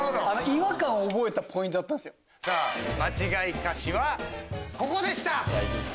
間違い歌詞はここでした。